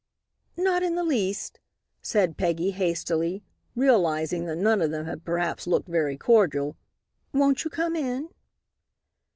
"Not in the least," said Peggy, hastily, realizing that none of them had perhaps looked very cordial, "won't you come in?"